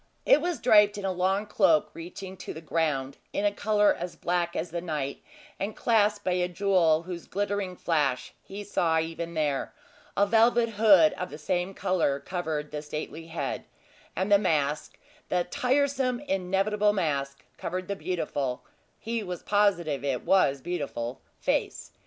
It was draped in a long cloak reaching to the ground, in color as black as the night, and clasped by a jewel whose glittering flash, he saw even there; a velvet hood of the same color covered the stately head; and the mask the tiresome, inevitable mask covered the beautiful he was positive it was beautiful face.